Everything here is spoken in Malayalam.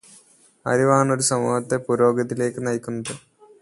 അറിവാണ് ഒരു സമൂഹത്തെ പുരോഗതിയിലേക്ക് നയിക്കുന്നത്.